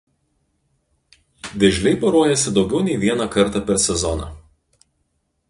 Vėžliai poruojasi daugiau nei vieną kartą per sezoną.